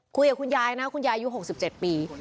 คุยกับคุณยายนะคุณยายอายุ๖๗ปี